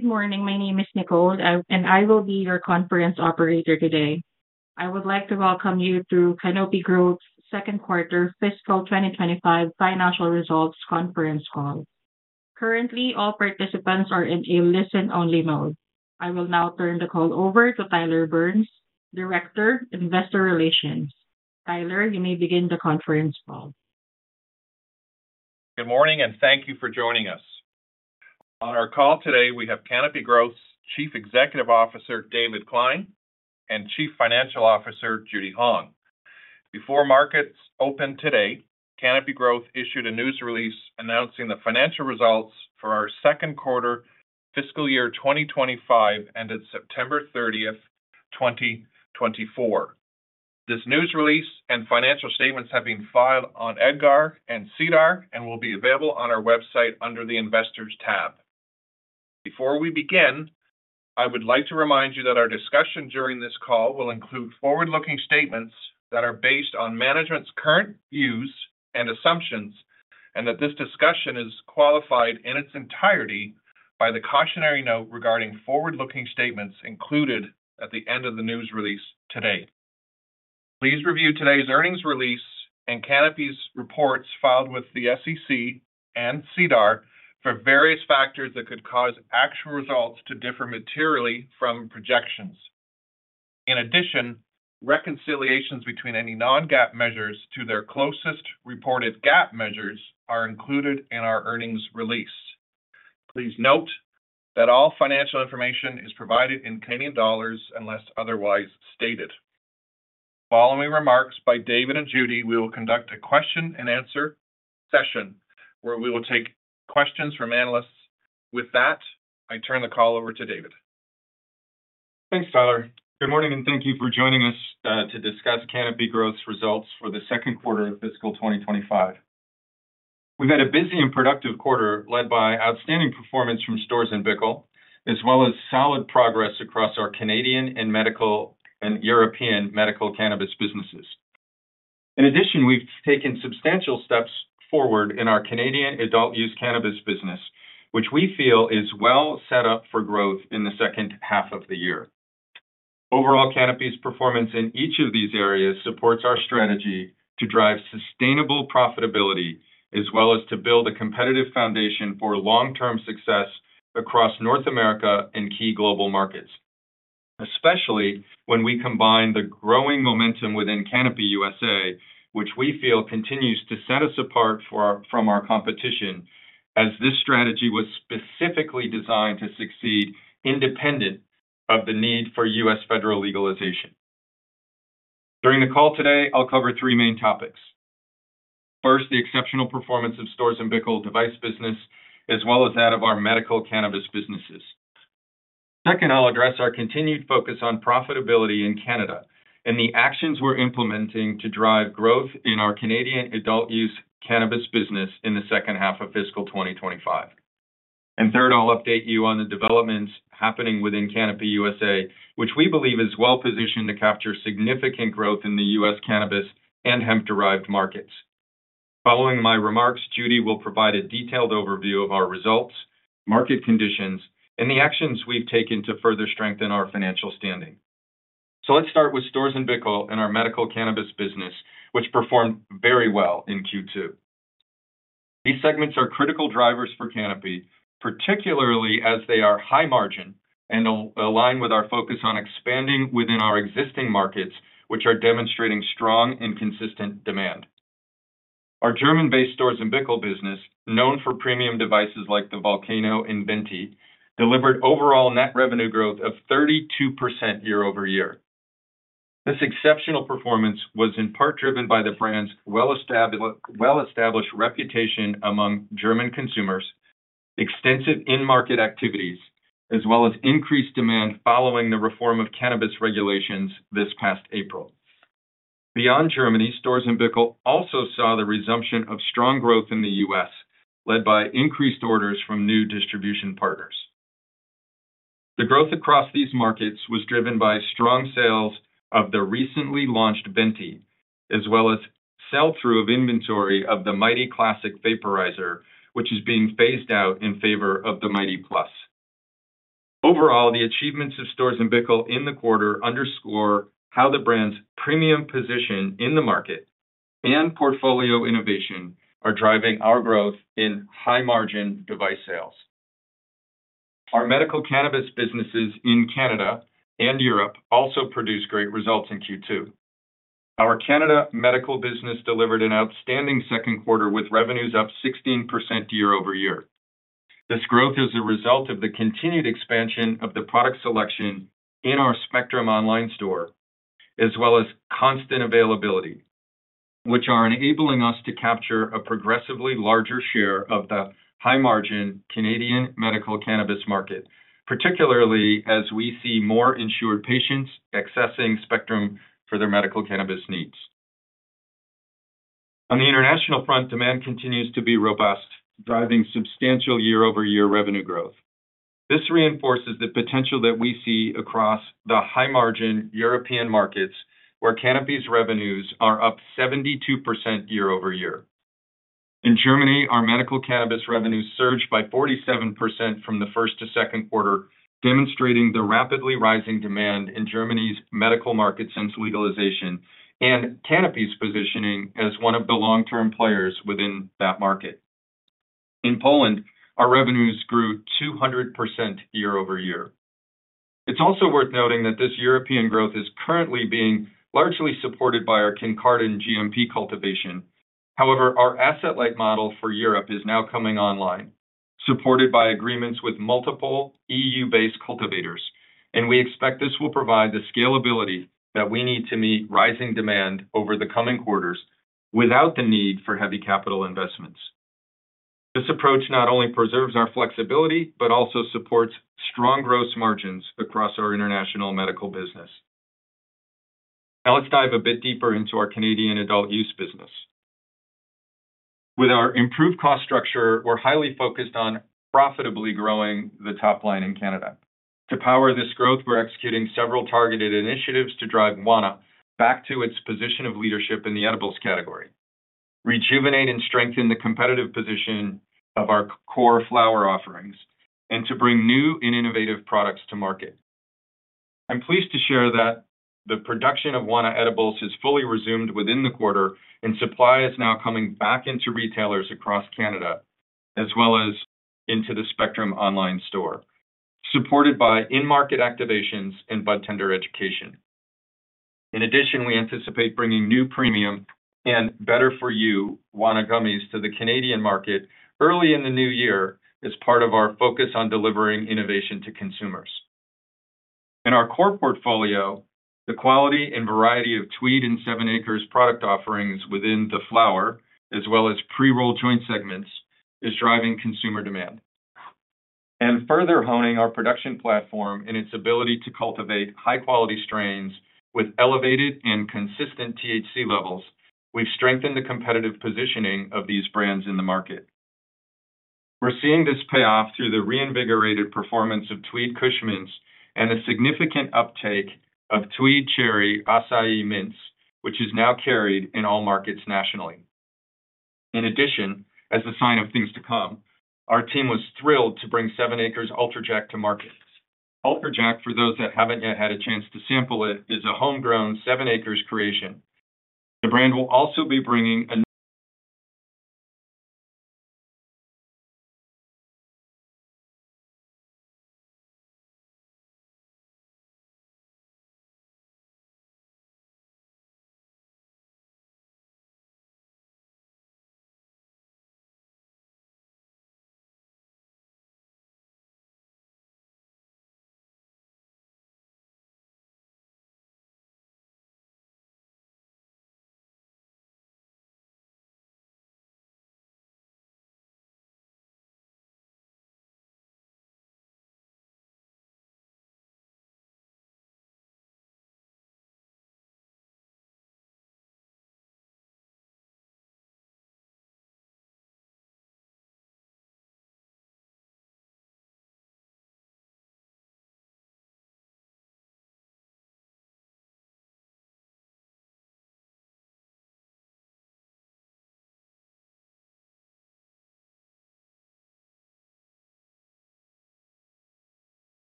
Good morning. My name is Nicole, and I will be your conference operator today. I would like to welcome you to Canopy Growth's second quarter fiscal 2025 financial results conference call. Currently, all participants are in a listen-only mode. I will now turn the call over to Tyler Burns, Director of Investor Relations. Tyler, you may begin the conference call. Good morning, and thank you for joining us. On our call today, we have Canopy Growth's Chief Executive Officer, David Klein, and Chief Financial Officer, Judy Hong. Before markets open today, Canopy Growth issued a news release announcing the financial results for our second quarter fiscal year 2025 ended September 30, 2024. This news release and financial statements have been filed on EDGAR and SEDAR and will be available on our website under the Investors tab. Before we begin, I would like to remind you that our discussion during this call will include forward-looking statements that are based on management's current views and assumptions, and that this discussion is qualified in its entirety by the cautionary note regarding forward-looking statements included at the end of the news release today. Please review today's earnings release and Canopy's reports filed with the SEC and SEDAR for various factors that could cause actual results to differ materially from projections. In addition, reconciliations between any non-GAAP measures to their closest reported GAAP measures are included in our earnings release. Please note that all financial information is provided in Canadian dollars unless otherwise stated. Following remarks by David and Judy, we will conduct a question-and-answer session where we will take questions from analysts. With that, I turn the call over to David. Thanks, Tyler. Good morning, and thank you for joining us to discuss Canopy Growth's results for the second quarter of fiscal 2025. We've had a busy and productive quarter led by outstanding performance from Storz & Bickel, as well as solid progress across our Canadian and European medical cannabis businesses. In addition, we've taken substantial steps forward in our Canadian adult-use cannabis business, which we feel is well set up for growth in the second half of the year. Overall, Canopy's performance in each of these areas supports our strategy to drive sustainable profitability, as well as to build a competitive foundation for long-term success across North America and key global markets, especially when we combine the growing momentum within Canopy USA, which we feel continues to set us apart from our competition, as this strategy was specifically designed to succeed independent of the need for U.S. federal legalization. During the call today, I'll cover three main topics. First, the exceptional performance of Storz & Bickel device business, as well as that of our medical cannabis businesses. Second, I'll address our continued focus on profitability in Canada and the actions we're implementing to drive growth in our Canadian adult-use cannabis business in the second half of fiscal 2025. And third, I'll update you on the developments happening within Canopy USA, which we believe is well positioned to capture significant growth in the U.S. cannabis and hemp-derived markets. Following my remarks, Judy will provide a detailed overview of our results, market conditions, and the actions we've taken to further strengthen our financial standing. So let's start with Storz & Bickel and our medical cannabis business, which performed very well in Q2. These segments are critical drivers for Canopy, particularly as they are high margin and align with our focus on expanding within our existing markets, which are demonstrating strong and consistent demand. Our German-based Storz & Bickel business, known for premium devices like the VOLCANO and VENTY, delivered overall net revenue growth of 32% year-over-year. This exceptional performance was in part driven by the brand's well-established reputation among German consumers, extensive in-market activities, as well as increased demand following the reform of cannabis regulations this past April. Beyond Germany, Storz & Bickel also saw the resumption of strong growth in the U.S., led by increased orders from new distribution partners. The growth across these markets was driven by strong sales of the recently launched VENTY, as well as sell-through of inventory of the Mighty Classic Vaporizer, which is being phased out in favor of the Mighty+. Overall, the achievements of Storz & Bickel in the quarter underscore how the brand's premium position in the market and portfolio innovation are driving our growth in high-margin device sales. Our medical cannabis businesses in Canada and Europe also produced great results in Q2. Our Canada medical business delivered an outstanding second quarter with revenues up 16% year-over-year. This growth is a result of the continued expansion of the product selection in our Spectrum online store, as well as constant availability, which are enabling us to capture a progressively larger share of the high-margin Canadian medical cannabis market, particularly as we see more insured patients accessing Spectrum for their medical cannabis needs. On the international front, demand continues to be robust, driving substantial year-over-year revenue growth. This reinforces the potential that we see across the high-margin European markets, where Canopy's revenues are up 72% year-over-year. In Germany, our medical cannabis revenues surged by 47% from the first to second quarter, demonstrating the rapidly rising demand in Germany's medical market since legalization and Canopy's positioning as one of the long-term players within that market. In Poland, our revenues grew 200% year over year. It's also worth noting that this European growth is currently being largely supported by our contract and GMP cultivation. However, our asset-light model for Europe is now coming online, supported by agreements with multiple EU-based cultivators, and we expect this will provide the scalability that we need to meet rising demand over the coming quarters without the need for heavy capital investments. This approach not only preserves our flexibility but also supports strong gross margins across our international medical business. Now, let's dive a bit deeper into our Canadian adult-use business. With our improved cost structure, we're highly focused on profitably growing the top line in Canada. To power this growth, we're executing several targeted initiatives to drive Wana back to its position of leadership in the edibles category, rejuvenate and strengthen the competitive position of our core flower offerings, and to bring new and innovative products to market. I'm pleased to share that the production of Wana edibles has fully resumed within the quarter, and supply is now coming back into retailers across Canada, as well as into the Spectrum online store, supported by in-market activations and budtender education. In addition, we anticipate bringing new premium and better-for-you Wana gummies to the Canadian market early in the new year as part of our focus on delivering innovation to consumers. In our core portfolio, the quality and variety of Tweed and 7ACRES product offerings within the flower, as well as pre-roll joint segments, is driving consumer demand. And further honing our production platform and its ability to cultivate high-quality strains with elevated and consistent THC levels, we've strengthened the competitive positioning of these brands in the market. We're seeing this payoff through the reinvigorated performance of Tweed Kush Mints and a significant uptake of Tweed Cherry Acai Mints, which is now carried in all markets nationally. In addition, as a sign of things to come, our team was thrilled to bring 7ACRES Ultra Jack to market. Ultra Jack, for those that haven't yet had a chance to sample it, is a homegrown 7ACRES creation. The brand will also be bringing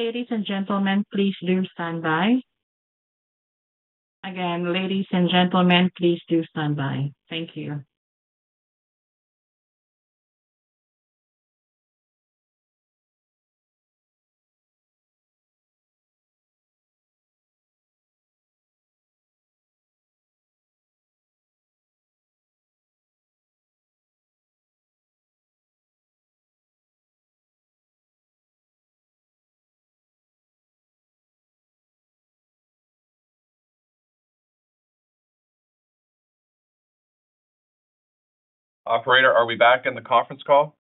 an. Ladies and gentlemen, please do stand by. Again, ladies and gentlemen, please do stand by. Thank you. Operator, are we back in the conference call?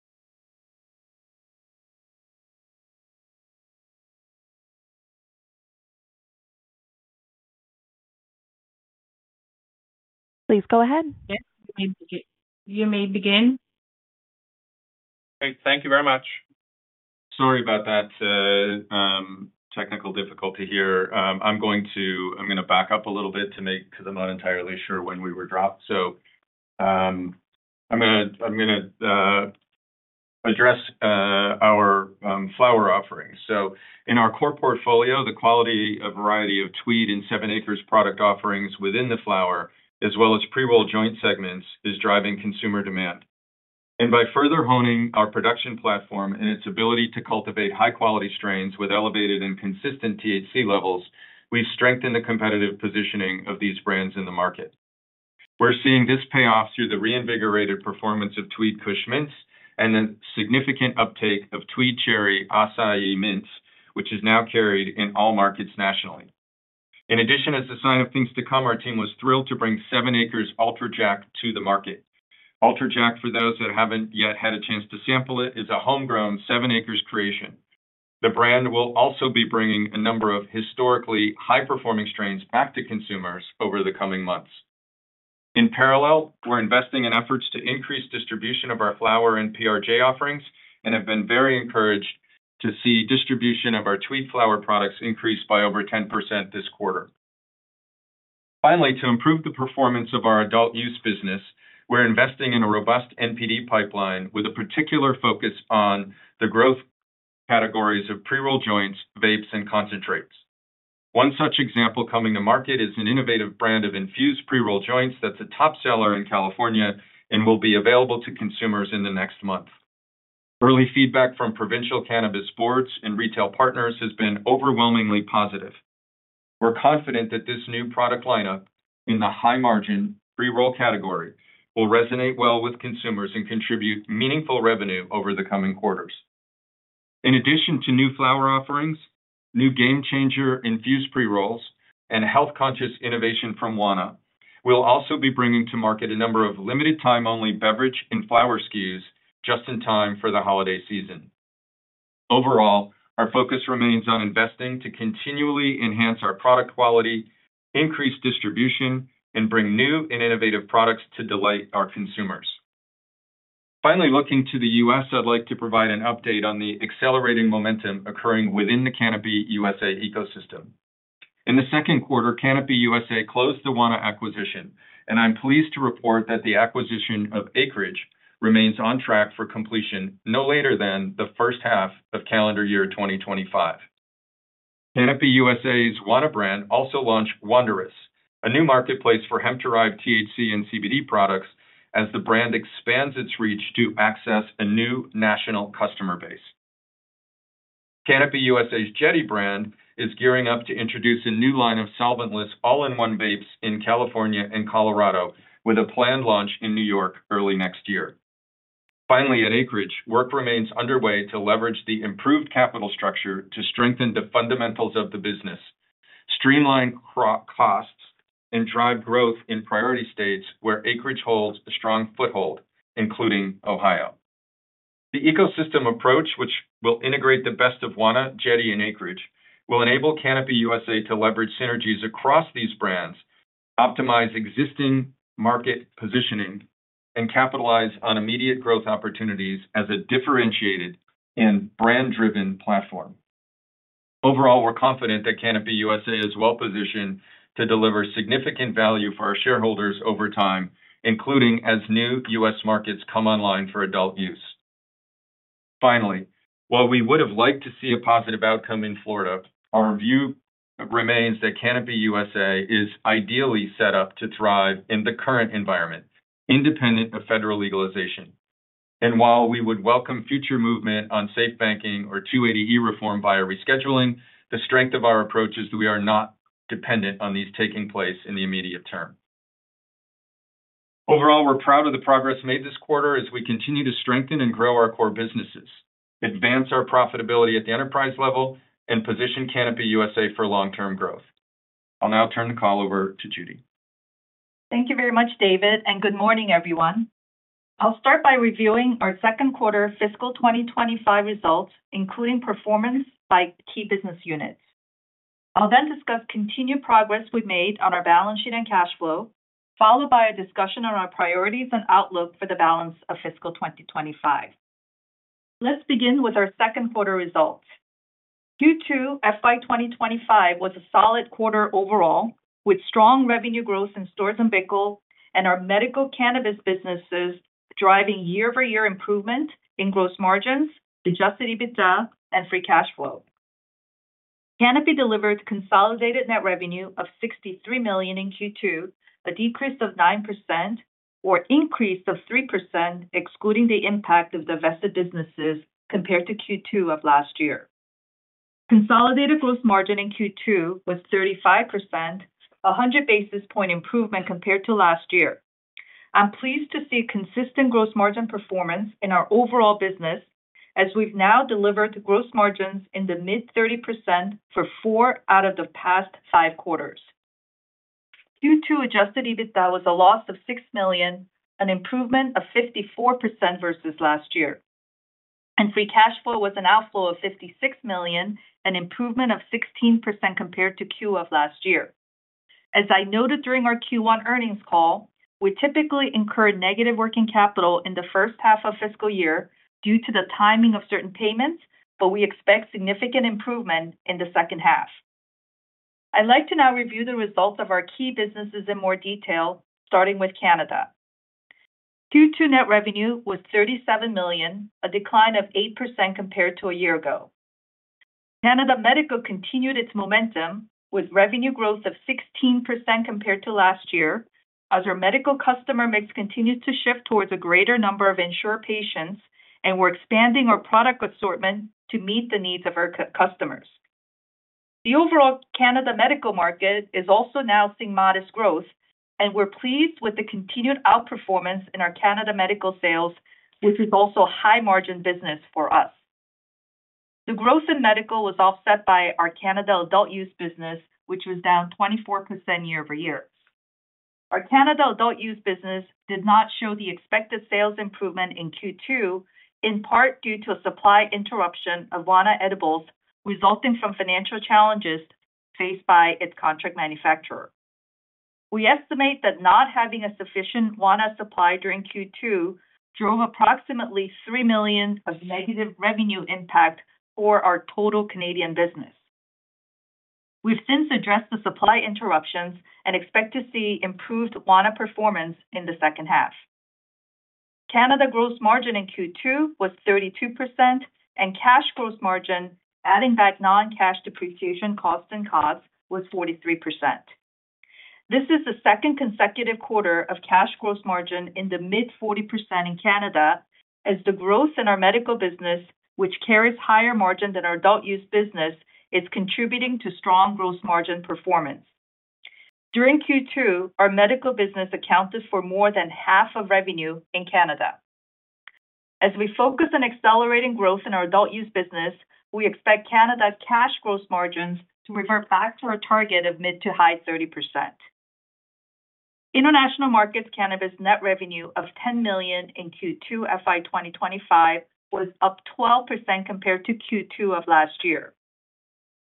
Please go ahead. You may begin. Okay. Thank you very much. Sorry about that technical difficulty here. I'm going to back up a little bit to make because I'm not entirely sure when we were dropped. I'm going to address our flower offerings. In our core portfolio, the quality of variety of Tweed and 7ACRES product offerings within the flower, as well as pre-roll joint segments, is driving consumer demand. By further honing our production platform and its ability to cultivate high-quality strains with elevated and consistent THC levels, we've strengthened the competitive positioning of these brands in the market. We're seeing this payoff through the reinvigorated performance of Tweed Kush Mints and the significant uptake of Tweed Cherry Acai Mints, which is now carried in all markets nationally. In addition, as a sign of things to come, our team was thrilled to bring 7ACRES Ultra Jack to the market. Ultra Jack, for those that haven't yet had a chance to sample it, is a homegrown 7ACRES creation. The brand will also be bringing a number of historically high-performing strains back to consumers over the coming months. In parallel, we're investing in efforts to increase distribution of our flower and PRJ offerings and have been very encouraged to see distribution of our Tweed flower products increase by over 10% this quarter. Finally, to improve the performance of our adult-use business, we're investing in a robust NPD pipeline with a particular focus on the growth categories of pre-roll joints, vapes, and concentrates. One such example coming to market is an innovative brand of infused pre-rolls that's a top seller in California and will be available to consumers in the next month. Early feedback from provincial cannabis boards and retail partners has been overwhelmingly positive. We're confident that this new product lineup in the high-margin pre-roll category will resonate well with consumers and contribute meaningful revenue over the coming quarters. In addition to new flower offerings, new game-changer infused pre-rolls, and health-conscious innovation from Wana, we'll also be bringing to market a number of limited-time-only beverage and flower SKUs just in time for the holiday season. Overall, our focus remains on investing to continually enhance our product quality, increase distribution, and bring new and innovative products to delight our consumers. Finally, looking to the U.S., I'd like to provide an update on the accelerating momentum occurring within the Canopy USA ecosystem. In the second quarter, Canopy USA closed the Wana acquisition, and I'm pleased to report that the acquisition of Acreage remains on track for completion no later than the first half of calendar year 2025. Canopy USA's Wana brand also launched Wanderous, a new marketplace for hemp-derived THC and CBD products as the brand expands its reach to access a new national customer base. Canopy USA's Jetty brand is gearing up to introduce a new line of solventless all-in-one vapes in California and Colorado, with a planned launch in New York early next year. Finally, at Acreage, work remains underway to leverage the improved capital structure to strengthen the fundamentals of the business, streamline costs, and drive growth in priority states where Acreage holds a strong foothold, including Ohio. The ecosystem approach, which will integrate the best of Wana, Jetty, and Acreage, will enable Canopy USA to leverage synergies across these brands, optimize existing market positioning, and capitalize on immediate growth opportunities as a differentiated and brand-driven platform. Overall, we're confident that Canopy USA is well-positioned to deliver significant value for our shareholders over time, including as new U.S. markets come online for adult use. Finally, while we would have liked to see a positive outcome in Florida, our view remains that Canopy USA is ideally set up to thrive in the current environment, independent of federal legalization, and while we would welcome future movement on SAFE Banking or 280E reform via rescheduling, the strength of our approach is that we are not dependent on these taking place in the immediate term. Overall, we're proud of the progress made this quarter as we continue to strengthen and grow our core businesses, advance our profitability at the enterprise level, and position Canopy USA for long-term growth. I'll now turn the call over to Judy. Thank you very much, David, and good morning, everyone. I'll start by reviewing our second quarter fiscal 2025 results, including performance by key business units. I'll then discuss continued progress we've made on our balance sheet and cash flow, followed by a discussion on our priorities and outlook for the balance of fiscal 2025. Let's begin with our second quarter results. Q2 FY 2025 was a solid quarter overall, with strong revenue growth in Storz & Bickel, and our medical cannabis businesses driving year-over-year improvement in gross margins, Adjusted EBITDA, and free cash flow. Canopy delivered consolidated net revenue of 63 million in Q2, a decrease of 9%, or an increase of 3%, excluding the impact of divested businesses compared to Q2 of last year. Consolidated gross margin in Q2 was 35%, a 100-basis point improvement compared to last year. I'm pleased to see consistent gross margin performance in our overall business, as we've now delivered gross margins in the mid-30% for four out of the past five quarters. Q2 Adjusted EBITDA was a loss of 6 million, an improvement of 54% versus last year, and free cash flow was an outflow of 56 million, an improvement of 16% compared to Q of last year. As I noted during our Q1 earnings call, we typically incur negative working capital in the first half of fiscal year due to the timing of certain payments, but we expect significant improvement in the second half. I'd like to now review the results of our key businesses in more detail, starting with Canada. Q2 net revenue was 37 million, a decline of 8% compared to a year ago. Canada Medical continued its momentum with revenue growth of 16% compared to last year, as our medical customer mix continues to shift towards a greater number of insured patients, and we're expanding our product assortment to meet the needs of our customers. The overall Canada medical market is also now seeing modest growth, and we're pleased with the continued outperformance in our Canada medical sales, which is also a high-margin business for us. The growth in medical was offset by our Canada adult-use business, which was down 24% year-over-year. Our Canada adult-use business did not show the expected sales improvement in Q2, in part due to a supply interruption of Wana edibles resulting from financial challenges faced by its contract manufacturer. We estimate that not having a sufficient Wana supply during Q2 drove approximately 3 million of negative revenue impact for our total Canadian business. We've since addressed the supply interruptions and expect to see improved Wana performance in the second half. Canada gross margin in Q2 was 32%, and cash gross margin, adding back non-cash depreciation costs and COGS, was 43%. This is the second consecutive quarter of cash gross margin in the mid-40% in Canada, as the growth in our medical business, which carries higher margin than our adult-use business, is contributing to strong gross margin performance. During Q2, our medical business accounted for more than half of revenue in Canada. As we focus on accelerating growth in our adult-use business, we expect Canada's cash gross margins to revert back to our target of mid-to-high 30%. International markets' cannabis net revenue of 10 million in Q2 FY 2025 was up 12% compared to Q2 of last year.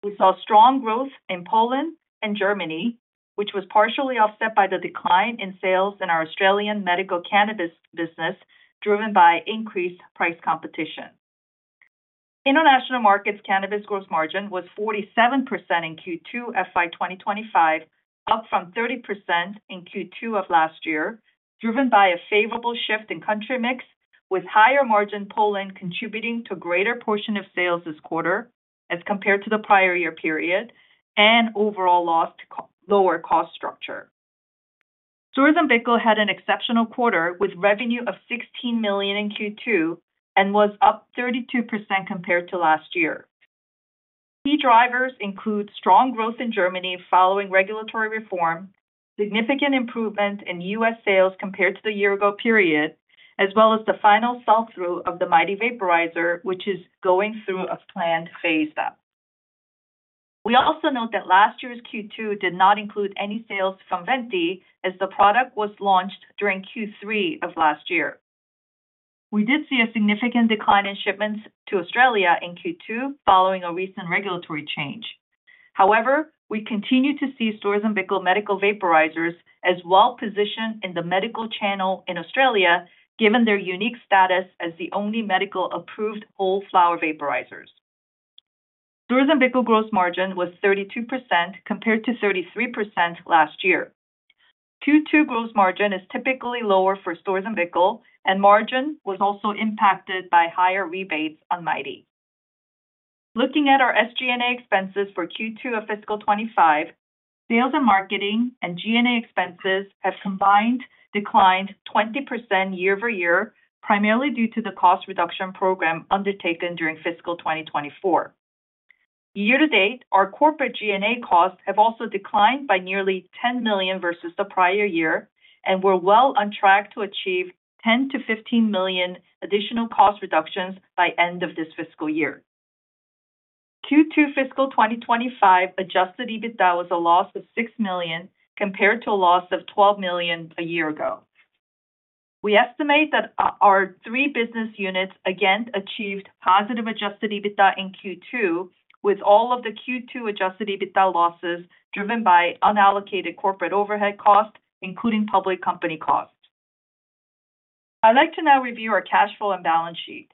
We saw strong growth in Poland and Germany, which was partially offset by the decline in sales in our Australian medical cannabis business, driven by increased price competition. International markets' cannabis gross margin was 47% in Q2 FY 2025, up from 30% in Q2 of last year, driven by a favorable shift in country mix, with higher margin Poland contributing to a greater portion of sales this quarter as compared to the prior year period, and overall lower cost structure. Storz & Bickel had an exceptional quarter with revenue of 16 million in Q2 and was up 32% compared to last year. Key drivers include strong growth in Germany following regulatory reform, significant improvement in U.S. sales compared to the year-ago period, as well as the final sell-through of the Mighty Vaporizer, which is going through a planned phase-out. We also note that last year's Q2 did not include any sales from VENTY, as the product was launched during Q3 of last year. We did see a significant decline in shipments to Australia in Q2 following a recent regulatory change. However, we continue to see Storz & Bickel medical vaporizers as well-positioned in the medical channel in Australia, given their unique status as the only medical-approved whole flower vaporizers. Storz & Bickel gross margin was 32% compared to 33% last year. Q2 gross margin is typically lower for Storz & Bickel, and margin was also impacted by higher rebates on Mighty. Looking at our SG&A expenses for Q2 of fiscal 2025, sales and marketing and G&A expenses have combined declined 20% year-over-year, primarily due to the cost reduction program undertaken during fiscal 2024. Year-to-date, our corporate G&A costs have also declined by nearly 10 million versus the prior year, and we're well on track to achieve 10 million-15 million additional cost reductions by the end of this fiscal year. Q2 fiscal 2025 Adjusted EBITDA was a loss of 6 million compared to a loss of 12 million a year ago. We estimate that our three business units again achieved positive Adjusted EBITDA in Q2, with all of the Q2 Adjusted EBITDA losses driven by unallocated corporate overhead costs, including public company costs. I'd like to now review our cash flow and balance sheet.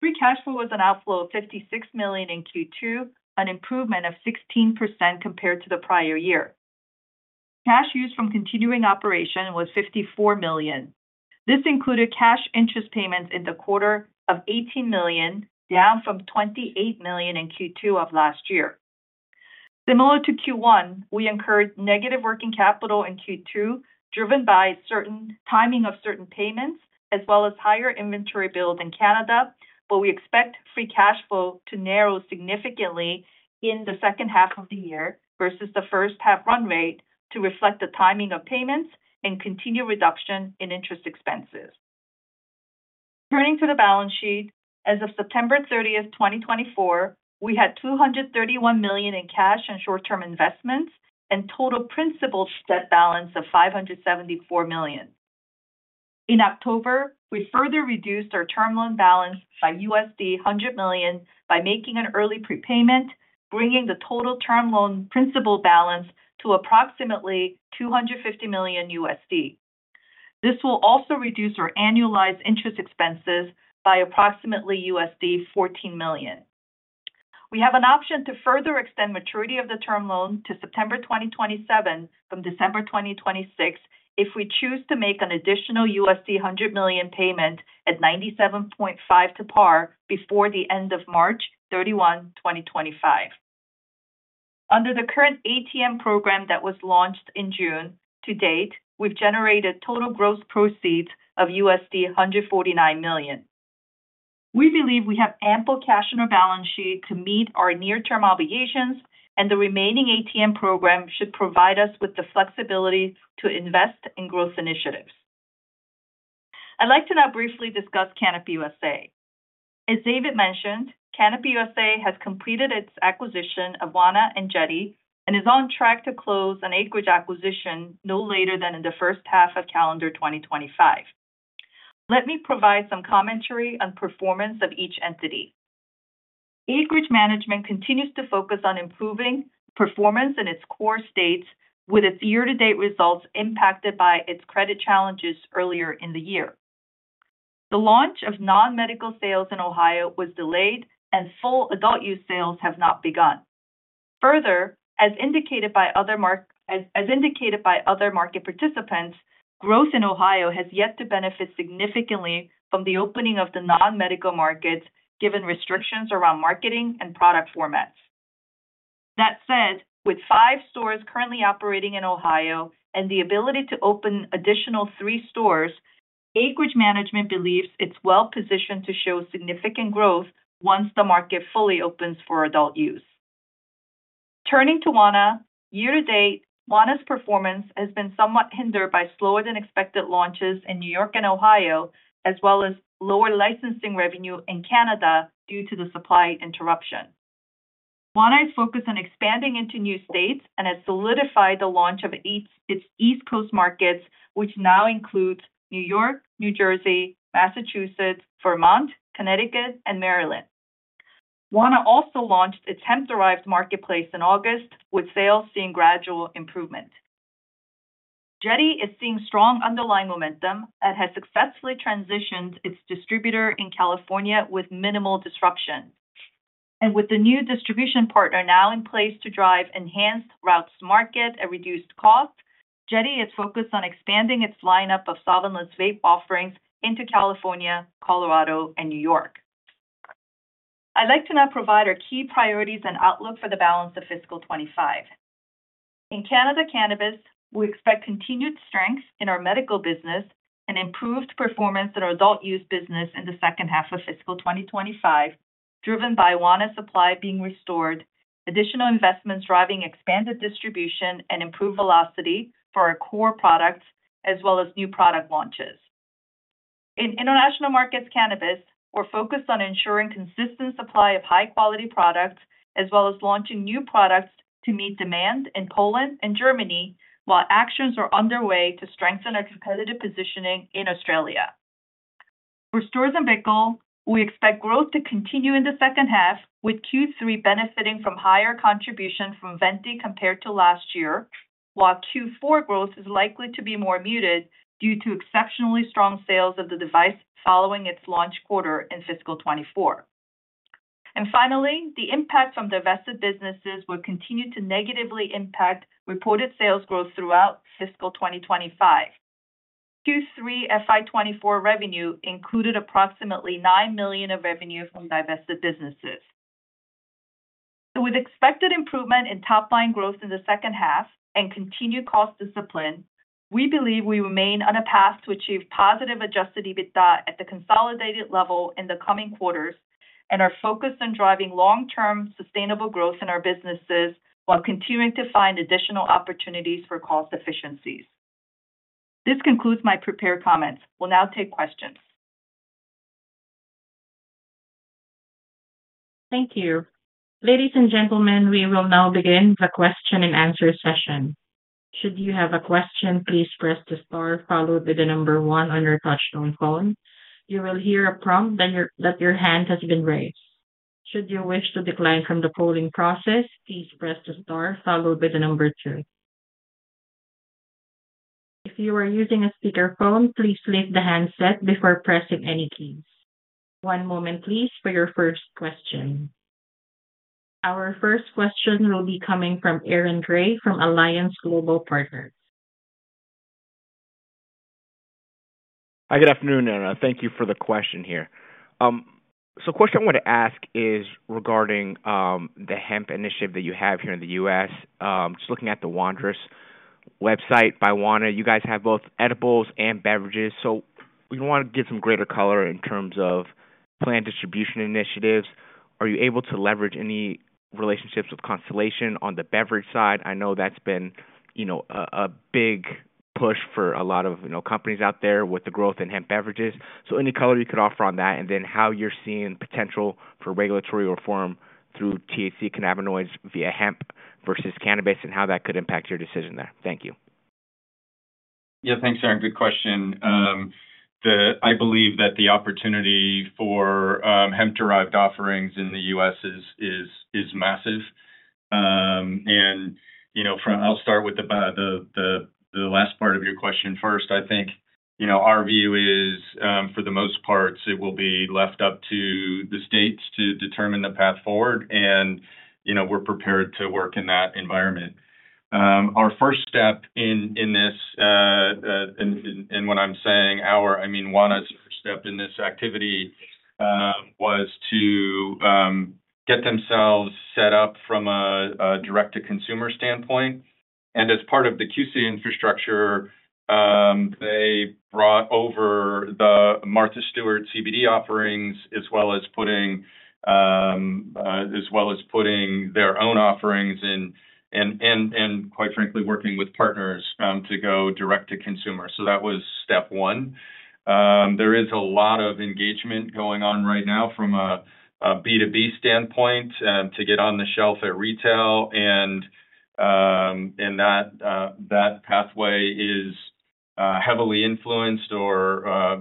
Free cash flow was an outflow of 56 million in Q2, an improvement of 16% compared to the prior year. Cash used from continuing operation was 54 million. This included cash interest payments in the quarter of 18 million, down from 28 million in Q2 of last year. Similar to Q1, we incurred negative working capital in Q2, driven by certain timing of certain payments, as well as higher inventory build in Canada, but we expect free cash flow to narrow significantly in the second half of the year versus the first half run rate to reflect the timing of payments and continued reduction in interest expenses. Turning to the balance sheet, as of September 30, 2024, we had CAD 231 million in cash and short-term investments and total principal debt balance of CAD 574 million. In October, we further reduced our term loan balance by CAD 100 million by making an early prepayment, bringing the total term loan principal balance to approximately CAD 250 million. This will also reduce our annualized interest expenses by approximately CAD 14 million. We have an option to further extend maturity of the term loan to September 2027 from December 2026 if we choose to make an additional $300 million payment at $97.5 to par before the end of March 31, 2025. Under the current ATM program that was launched in June, to date, we've generated total gross proceeds of $149 million. We believe we have ample cash in our balance sheet to meet our near-term obligations, and the remaining ATM program should provide us with the flexibility to invest in growth initiatives. I'd like to now briefly discuss Canopy USA. As David mentioned, Canopy USA has completed its acquisition of Wana and Jetty and is on track to close an Acreage acquisition no later than in the first half of calendar 2025. Let me provide some commentary on performance of each entity. Acreage management continues to focus on improving performance in its core states, with its year-to-date results impacted by its credit challenges earlier in the year. The launch of non-medical sales in Ohio was delayed, and full adult-use sales have not begun. Further, as indicated by other market participants, growth in Ohio has yet to benefit significantly from the opening of the non-medical markets, given restrictions around marketing and product formats. That said, with five stores currently operating in Ohio and the ability to open additional three stores, Acreage management believes it's well-positioned to show significant growth once the market fully opens for adult use. Turning to Wana, year-to-date, Wana's performance has been somewhat hindered by slower-than-expected launches in New York and Ohio, as well as lower licensing revenue in Canada due to the supply interruption. Wana is focused on expanding into new states and has solidified the launch of its East Coast markets, which now includes New York, New Jersey, Massachusetts, Vermont, Connecticut, and Maryland. Wana also launched its Wanderous in August, with sales seeing gradual improvement. Jetty is seeing strong underlying momentum and has successfully transitioned its distributor in California with minimal disruption, and with the new distribution partner now in place to drive enhanced routes to market at reduced cost, Jetty is focused on expanding its lineup of solventless vape offerings into California, Colorado, and New York. I'd like to now provide our key priorities and outlook for the balance of fiscal 2025. In Canadian Cannabis, we expect continued strength in our medical business and improved performance in our adult-use business in the second half of fiscal 2025, driven by Wana supply being restored, additional investments driving expanded distribution and improved velocity for our core products, as well as new product launches. In international market cannabis, we're focused on ensuring consistent supply of high-quality products, as well as launching new products to meet demand in Poland and Germany, while actions are underway to strengthen our competitive positioning in Australia. For Storz & Bickel, we expect growth to continue in the second half, with Q3 benefiting from higher contribution from VENTY compared to last year, while Q4 growth is likely to be more muted due to exceptionally strong sales of the device following its launch quarter in fiscal 2024. Finally, the impact from divested businesses will continue to negatively impact reported sales growth throughout fiscal 2025. Q3 FY 2024 revenue included approximately 9 million of revenue from divested businesses. With expected improvement in top-line growth in the second half and continued cost discipline, we believe we remain on a path to achieve positive Adjusted EBITDA at the consolidated level in the coming quarters and are focused on driving long-term sustainable growth in our businesses while continuing to find additional opportunities for cost efficiencies. This concludes my prepared comments. We'll now take questions. Thank you. Ladies and gentlemen, we will now begin the question-and-answer session. Should you have a question, please press the star followed by the number one on your touchtone phone. You will hear a prompt that your hand has been raised. Should you wish to decline from the polling process, please press the star followed by the number two. If you are using a speakerphone, please lift the handset before pressing any keys. One moment, please, for your first question. Our first question will be coming from Aaron Grey from Alliance Global Partners. Hi, good afternoon. Thank you for the question here. So the question I wanted to ask is regarding the hemp initiative that you have here in the U.S. Just looking at the Wanderous website by Wana, you guys have both edibles and beverages. So we want to get some greater color in terms of planned distribution initiatives. Are you able to leverage any relationships with Constellation on the beverage side? I know that's been a big push for a lot of companies out there with the growth in hemp beverages. So any color you could offer on that, and then how you're seeing potential for regulatory reform through THC cannabinoids via hemp versus cannabis, and how that could impact your decision there. Thank you. Yeah, thanks, Aaron. Good question. I believe that the opportunity for hemp-derived offerings in the U.S. is massive. And I'll start with the last part of your question first. I think our view is, for the most part, it will be left up to the states to determine the path forward, and we're prepared to work in that environment. Our first step in this, and what I'm saying, our—I mean, Wana's first step in this activity was to get themselves set up from a direct-to-consumer standpoint. And as part of the QC infrastructure, they brought over the Martha Stewart CBD offerings, as well as putting their own offerings in, and quite frankly, working with partners to go direct-to-consumer. So that was step one. There is a lot of engagement going on right now from a B2B standpoint to get on the shelf at retail, and that pathway is heavily influenced or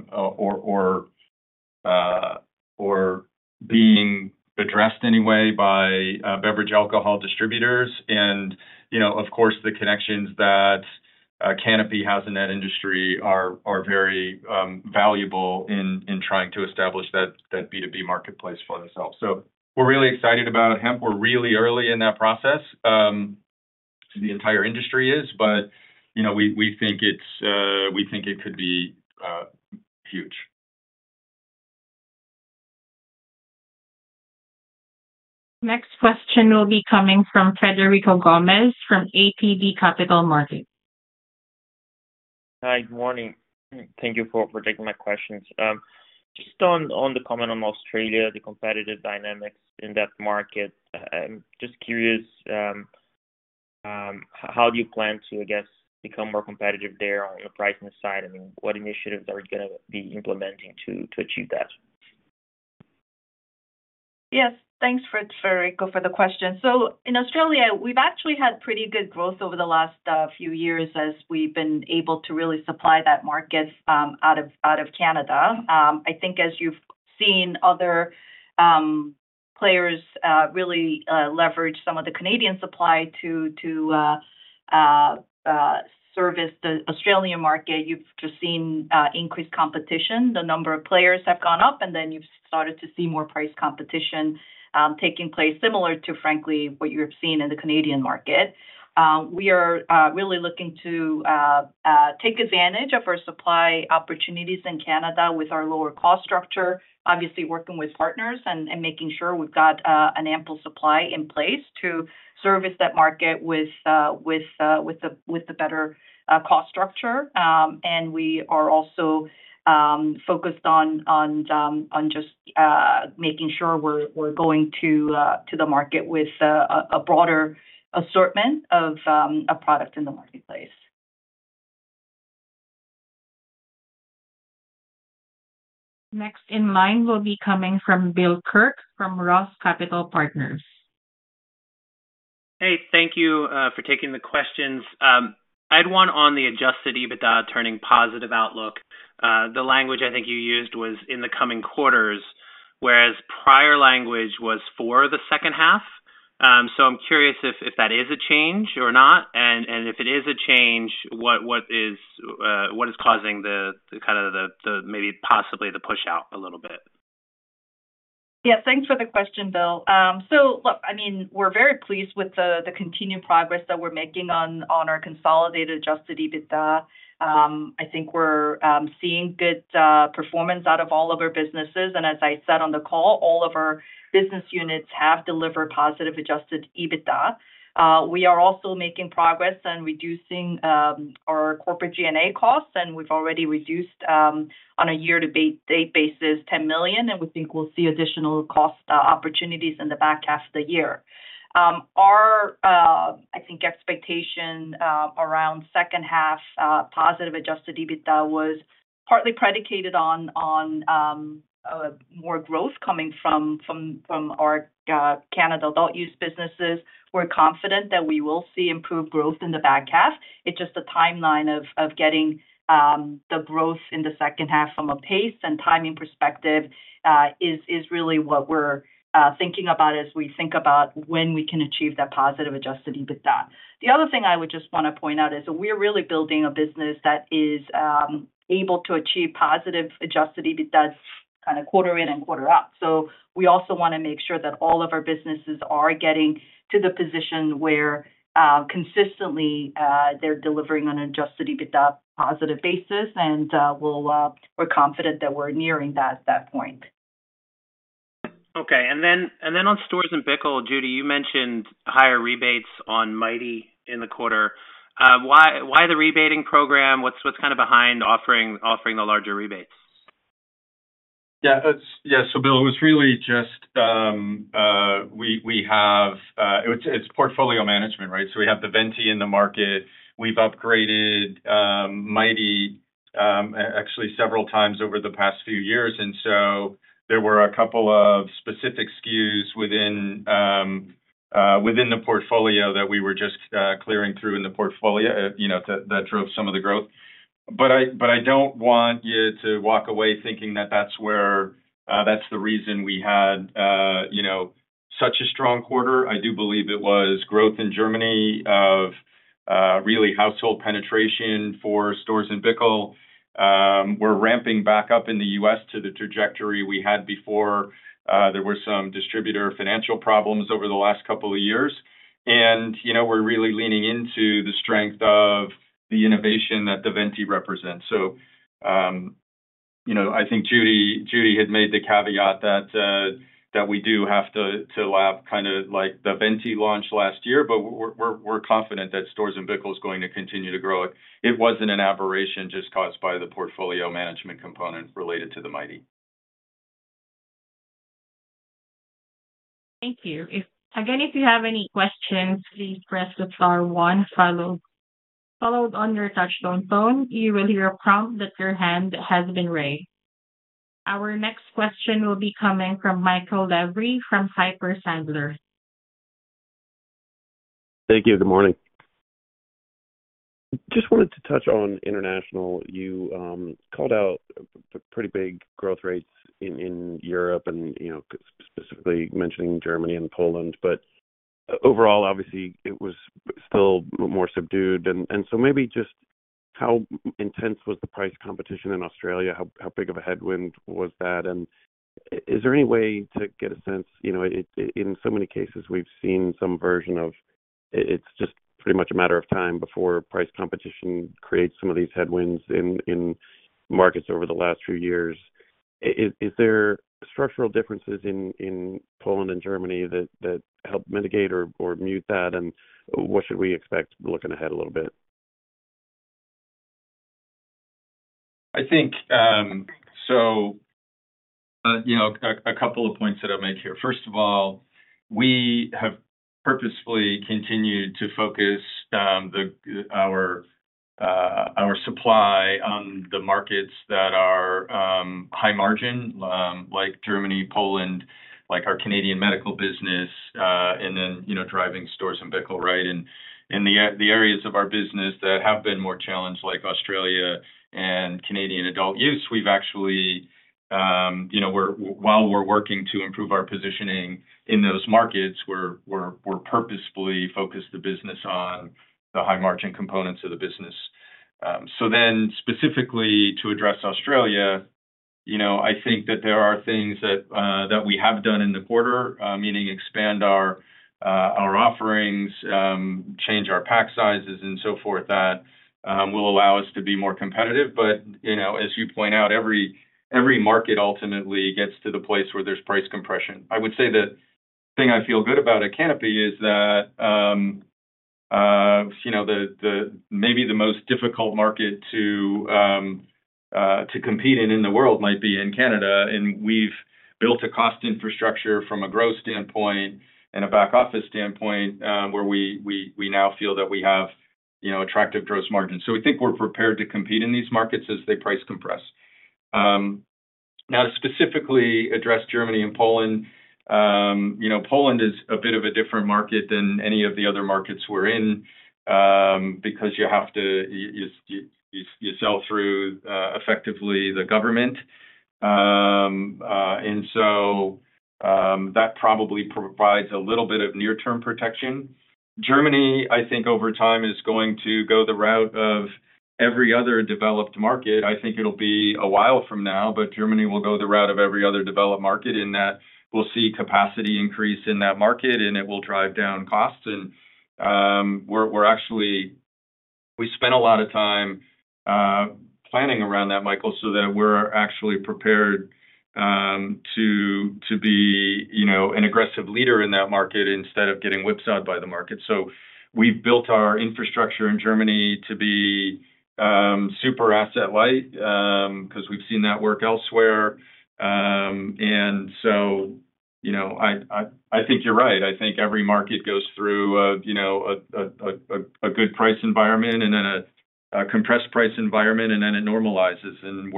being addressed anyway by beverage alcohol distributors. And of course, the connections that Canopy has in that industry are very valuable in trying to establish that B2B marketplace for themselves. So we're really excited about hemp. We're really early in that process. The entire industry is, but we think it could be huge. Next question will be coming from Frederico Gomes from ATB Capital Markets. Hi, good morning. Thank you for taking my questions. Just on the comment on Australia, the competitive dynamics in that market, I'm just curious how do you plan to, I guess, become more competitive there on the pricing side? I mean, what initiatives are you going to be implementing to achieve that? Yes, thanks, Frederico, for the question. So in Australia, we've actually had pretty good growth over the last few years as we've been able to really supply that market out of Canada. I think as you've seen other players really leverage some of the Canadian supply to service the Australian market, you've just seen increased competition. The number of players have gone up, and then you've started to see more price competition taking place, similar to, frankly, what you have seen in the Canadian market. We are really looking to take advantage of our supply opportunities in Canada with our lower cost structure, obviously working with partners and making sure we've got an ample supply in place to service that market with the better cost structure, and we are also focused on just making sure we're going to the market with a broader assortment of products in the marketplace. Next in line will be coming from Bill Kirk from Roth Capital Partners. Hey, thank you for taking the questions. I had one on the Adjusted EBITDA turning positive outlook. The language I think you used was "in the coming quarters," whereas prior language was "for the second half." So I'm curious if that is a change or not. And if it is a change, what is causing the kind of the maybe possibly the push-out a little bit? Yeah, thanks for the question, Bill. So I mean, we're very pleased with the continued progress that we're making on our consolidated Adjusted EBITDA. I think we're seeing good performance out of all of our businesses. And as I said on the call, all of our business units have delivered positive Adjusted EBITDA. We are also making progress and reducing our corporate G&A costs, and we've already reduced on a year-to-date basis 10 million, and we think we'll see additional cost opportunities in the back half of the year. Our, I think, expectation around second half positive Adjusted EBITDA was partly predicated on more growth coming from our Canada adult-use businesses. We're confident that we will see improved growth in the back half. It's just the timeline of getting the growth in the second half from a pace and timing perspective is really what we're thinking about as we think about when we can achieve that positive Adjusted EBITDA. The other thing I would just want to point out is we're really building a business that is able to achieve positive Adjusted EBITDA kind of quarter in and quarter out. So we also want to make sure that all of our businesses are getting to the position where consistently they're delivering on an Adjusted EBITDA positive basis, and we're confident that we're nearing that point. Okay. And then on Storz & Bickel, Judy, you mentioned higher rebates on Mighty in the quarter. Why the rebating program? What's kind of behind offering the larger rebates? Yeah. Yeah. So Bill, it was really just we have it's portfolio management, right? So we have the VENTY in the market. We've upgraded Mighty actually several times over the past few years. And so there were a couple of specific SKUs within the portfolio that we were just clearing through in the portfolio that drove some of the growth. But I don't want you to walk away thinking that that's the reason we had such a strong quarter. I do believe it was growth in Germany of really household penetration for Storz & Bickel. We're ramping back up in the U.S. to the trajectory we had before. There were some distributor financial problems over the last couple of years. And we're really leaning into the strength of the innovation that the VENTY represents. So I think Judy had made the caveat that we do have to lap kind of like the VENTY launch last year, but we're confident that Storz & Bickel is going to continue to grow. It wasn't an aberration just caused by the portfolio management component related to the Mighty. Thank you. Again, if you have any questions, please press star one. Followed on your touchtone phone, you will hear a prompt that your hand has been raised. Our next question will be coming from Michael Lavery from Piper Sandler. Thank you. Good morning. Just wanted to touch on international. You called out pretty big growth rates in Europe and specifically mentioning Germany and Poland. But overall, obviously, it was still more subdued. And so maybe just how intense was the price competition in Australia? How big of a headwind was that? Is there any way to get a sense? In so many cases, we've seen some version of it's just pretty much a matter of time before price competition creates some of these headwinds in markets over the last few years. Is there structural differences in Poland and Germany that help mitigate or mute that? What should we expect looking ahead a little bit? I think. So a couple of points that I'll make here. First of all, we have purposefully continued to focus our supply on the markets that are high margin, like Germany, Poland, like our Canadian medical business, and then driving Storz & Bickel, right? In the areas of our business that have been more challenged, like Australia and Canadian adult use, we've actually, while we're working to improve our positioning in those markets, we're purposefully focused the business on the high margin components of the business. Then specifically to address Australia, I think that there are things that we have done in the quarter, meaning expand our offerings, change our pack sizes, and so forth, that will allow us to be more competitive. As you point out, every market ultimately gets to the place where there's price compression. I would say the thing I feel good about at Canopy is that maybe the most difficult market to compete in in the world might be in Canada. We've built a cost infrastructure from a growth standpoint and a back-office standpoint where we now feel that we have attractive gross margins. So we think we're prepared to compete in these markets as they price compress. Now, to specifically address Germany and Poland, Poland is a bit of a different market than any of the other markets we're in because you have to sell through effectively the government. And so that probably provides a little bit of near-term protection. Germany, I think over time is going to go the route of every other developed market. I think it'll be a while from now, but Germany will go the route of every other developed market in that we'll see capacity increase in that market, and it will drive down costs. And we spent a lot of time planning around that, Michael, so that we're actually prepared to be an aggressive leader in that market instead of getting whipsawed by the market. So we've built our infrastructure in Germany to be super asset-light because we've seen that work elsewhere. And so I think you're right. I think every market goes through a good price environment and then a compressed price environment, and then it normalizes. And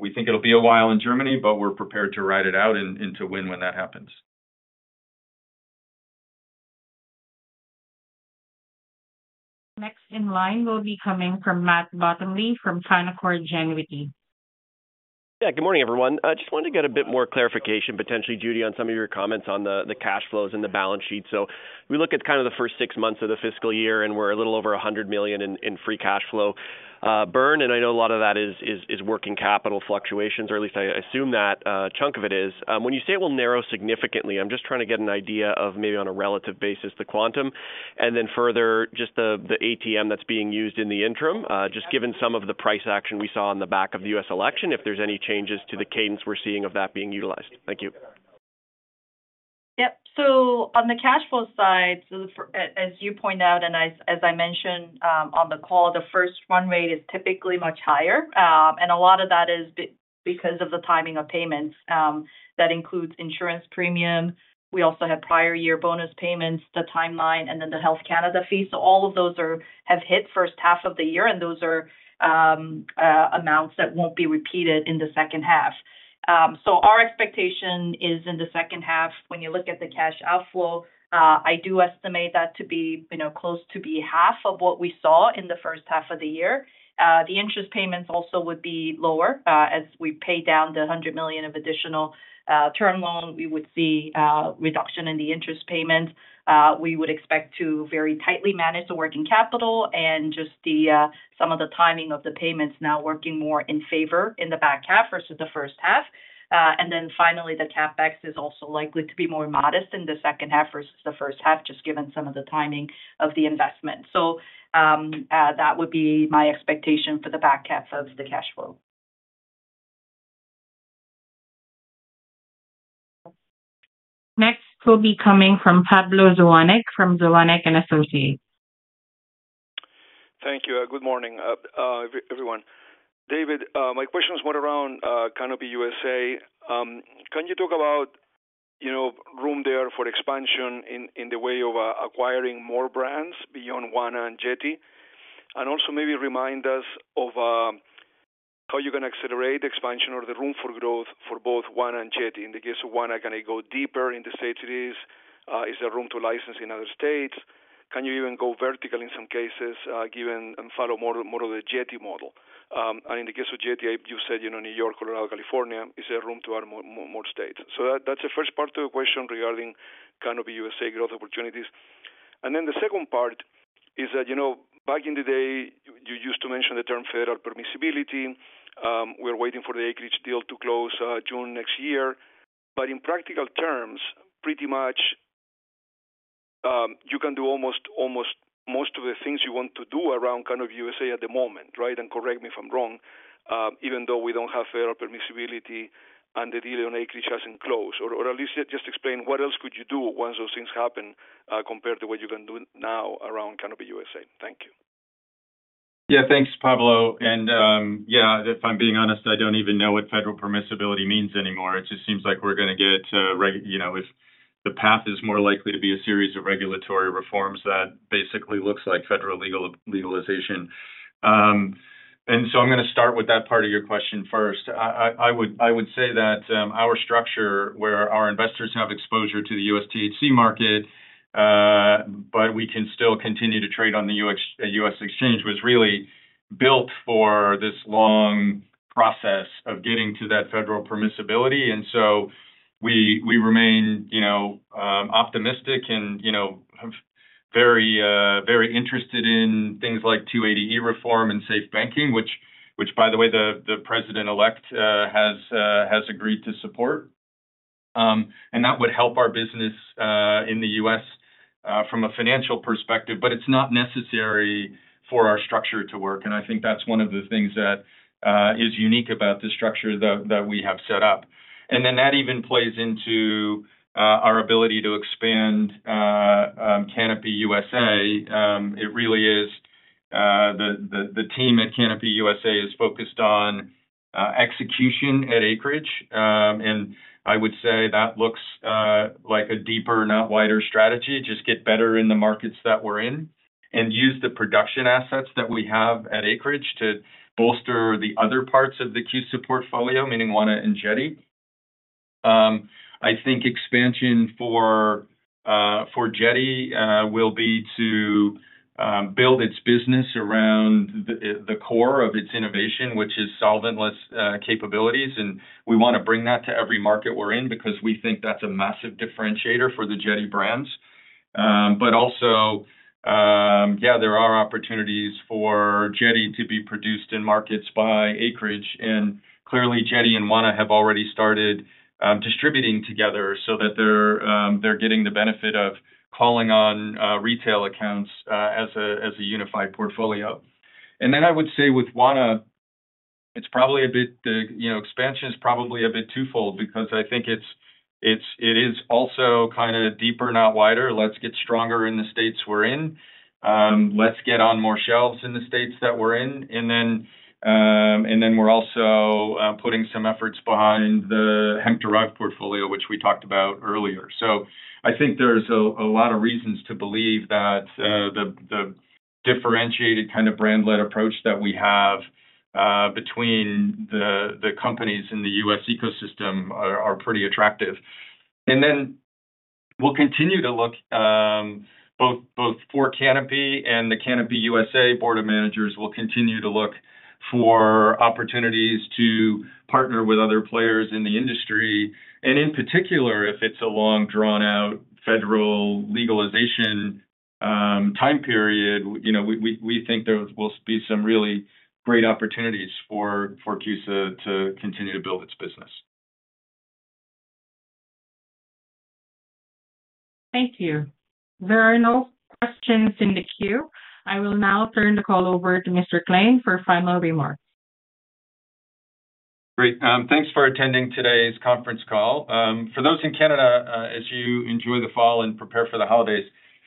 we think it'll be a while in Germany, but we're prepared to ride it out and to win when that happens. Next in line will be coming from Matt Bottomley from Canaccord Genuity. Yeah. Good morning, everyone. I just wanted to get a bit more clarification, potentially, Judy, on some of your comments on the cash flows and the balance sheet. So we look at kind of the first six months of the fiscal year, and we're a little over 100 million in free cash flow burn. I know a lot of that is working capital fluctuations, or at least I assume that a chunk of it is. When you say it will narrow significantly, I'm just trying to get an idea of maybe on a relative basis, the quantum, and then further just the ATM that's being used in the interim, just given some of the price action we saw on the back of the U.S. election, if there's any changes to the cadence we're seeing of that being utilized. Thank you. Yep. On the cash flow side, as you point out, and as I mentioned on the call, the first run rate is typically much higher. And a lot of that is because of the timing of payments that includes insurance premium. We also have prior year bonus payments, the timeline, and then the Health Canada fee. All of those have hit first half of the year, and those are amounts that won't be repeated in the second half. Our expectation is in the second half, when you look at the cash outflow, I do estimate that to be close to be half of what we saw in the first half of the year. The interest payments also would be lower. As we pay down the 100 million of additional term loan, we would see a reduction in the interest payment. We would expect to very tightly manage the working capital and just some of the timing of the payments now working more in favor in the back half versus the first half. Finally, the CapEx is also likely to be more modest in the second half versus the first half, just given some of the timing of the investment. So that would be my expectation for the back half of the cash flow. Next will be coming from Pablo Zuanic from Zuanic & Associates. Thank you. Good morning, everyone. David, my questions were around Canopy USA. Can you talk about room there for expansion in the way of acquiring more brands beyond Wana and Jetty? And also maybe remind us of how you're going to accelerate expansion or the room for growth for both Wana and Jetty. In the case of Wana, can it go deeper in the states it is? Is there room to license in other states? Can you even go vertical in some cases and follow more of the Jetty model? And in the case of Jetty, you said New York, Colorado, California. Is there room to add more states? So that's the first part of the question regarding Canopy USA growth opportunities. And then the second part is that back in the day, you used to mention the term federal permissibility. We're waiting for the Acreage deal to close June next year. But in practical terms, pretty much you can do almost most of the things you want to do around Canopy USA at the moment, right? And correct me if I'm wrong, even though we don't have federal permissibility and the deal on Acreage hasn't closed. Or at least just explain what else could you do once those things happen compared to what you can do now around Canopy USA. Thank you. Yeah. Thanks, Pablo. And yeah, if I'm being honest, I don't even know what federal permissibility means anymore. It just seems like we're going to get the path is more likely to be a series of regulatory reforms that basically looks like federal legalization. I'm going to start with that part of your question first. I would say that our structure, where our investors have exposure to the U.S. THC market, but we can still continue to trade on the U.S. exchange, was really built for this long process of getting to that federal permissibility. And so we remain optimistic and very interested in things like 280E reform and safe banking, which, by the way, the president-elect has agreed to support. And that would help our business in the U.S. from a financial perspective, but it's not necessary for our structure to work. And I think that's one of the things that is unique about the structure that we have set up. And then that even plays into our ability to expand Canopy USA. It really is. The team at Canopy USA is focused on execution at Acreage. I would say that looks like a deeper, not wider strategy. Just get better in the markets that we're in and use the production assets that we have at Acreage to bolster the other parts of the QSU portfolio, meaning Wana and Jetty. I think expansion for Jetty will be to build its business around the core of its innovation, which is solventless capabilities. And we want to bring that to every market we're in because we think that's a massive differentiator for the Jetty brands. But also, yeah, there are opportunities for Jetty to be produced in markets by Acreage. And clearly, Jetty and Wana have already started distributing together so that they're getting the benefit of calling on retail accounts as a unified portfolio. Then I would say with Wana, it's probably a bit the expansion is probably a bit twofold because I think it is also kind of deeper, not wider. Let's get stronger in the states we're in. Let's get on more shelves in the states that we're in. And then we're also putting some efforts behind the Wanderous portfolio, which we talked about earlier. So I think there's a lot of reasons to believe that the differentiated kind of brand-led approach that we have between the companies in the U.S. ecosystem are pretty attractive. And then we'll continue to look both for Canopy and the Canopy USA board of managers will continue to look for opportunities to partner with other players in the industry. And in particular, if it's a long drawn-out federal legalization time period, we think there will be some really great opportunities for QSU to continue to build its business. Thank you. There are no questions in the queue. I will now turn the call over to Mr. Klein for final remarks. Great. Thanks for attending today's conference call. For those in Canada, as you enjoy the fall and prepare for the holidays,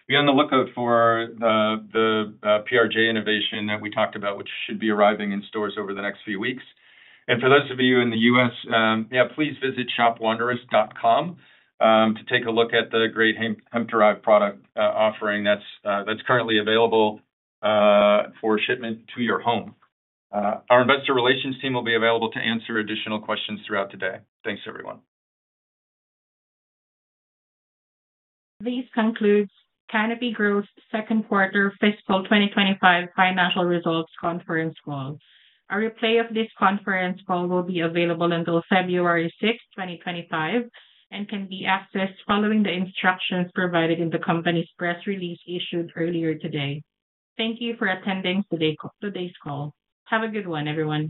be on the lookout for the PRJ innovation that we talked about, which should be arriving in stores over the next few weeks. And for those of you in the U.S., yeah, please visit shopwanderous.com to take a look at the great hemp-derived product offering that's currently available for shipment to your home. Our investor relations team will be available to answer additional questions throughout the day. Thanks, everyone. This concludes Canopy Growth's second quarter fiscal 2025 financial results conference call. A replay of this conference call will be available until February 6, 2025, and can be accessed following the instructions provided in the company's press release issued earlier today. Thank you for attending today's call. Have a good one, everyone.